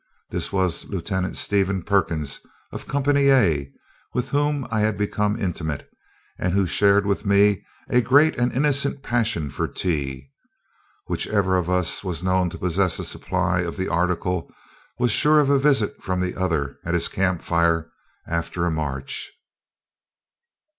[This was Lieutenant Stephen Perkins of Company A with whom I had become intimate, and who shared with me a great and innocent passion for tea. Whichever of us was known to possess a supply of the article was sure of a visit from the other at his camp fire after a march.